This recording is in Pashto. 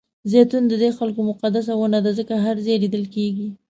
زیتون ددې خلکو مقدسه ونه ده ځکه هر ځای لیدل کېږي.